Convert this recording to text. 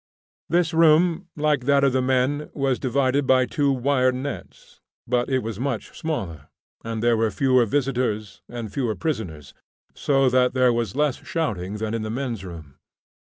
This room, like that of the men, was divided by two wire nets; but it was much smaller, and there were fewer visitors and fewer prisoners, so that there was less shouting than in the men's room.